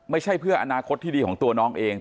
ไม่ใช่เพื่ออนาคตที่ดีของตัวน้องเอง